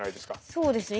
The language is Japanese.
そうですね。